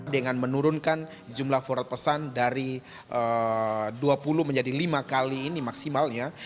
dengan menurunkan jumlah forward pesan dari dua puluh menjadi lima kali ini maksimalnya